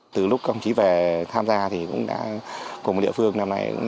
từ lúc công chí về tham gia thì cũng đã cùng địa phương năm nay